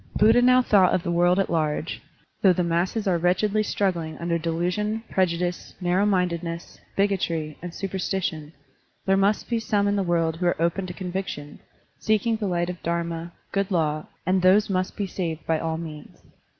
Buddha now thought of the world at large: "Though the masses are wretchedly struggling Digitized by Google THE WHEEL OP THE GOOD LAW 103 under delusion, prejudice, narrow mindedness, bigotry, and superstition, there must be some in the world who are open to conviction, seeking the light of Dharma, Good Law, and those must be saved by all means.